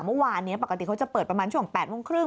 เมื่อวานนี้ปกติเขาจะเปิดประมาณช่วง๘โมงครึ่ง